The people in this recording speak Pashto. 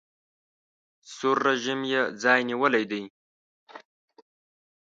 سور رژیم یې ځای نیولی دی.